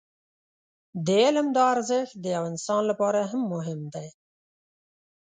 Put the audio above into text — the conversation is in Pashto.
د علم دا ارزښت د يوه انسان لپاره هم مهم دی.